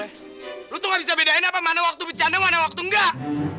lu tuh gak bisa bedain apa mana waktu bercanda mana waktu enggak